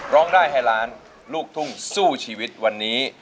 ร้องได้ให้ล้านลูกทุ่งสู้ชีวิตวันนี้